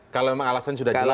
kalau memang alasan sudah jelas